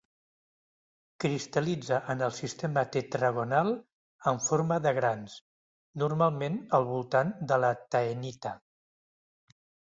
Cristal·litza en el sistema tetragonal en forma de grans, normalment al voltant de la taenita.